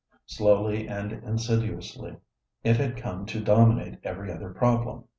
Slowly and insidiously it had come to dominate every other problem.